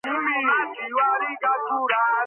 გალავანი გამაგრებული იყო საბრძოლო კოშკებით.